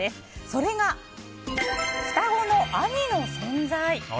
それが、双子の兄の存在。